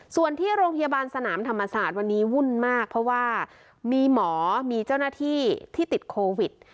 ส่วนที่โรงพยาบาลสนามธรรมศาสตร์วันนี้วุ่นมากเพราะว่ามีหมอมีเจ้าหน้าที่ที่ติดโควิด